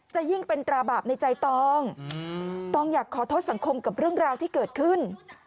จะยิ่งเป็นตราบาปในใจตองตองอยากขอโทษสังคมกับเรื่องราวที่เกิดขึ้น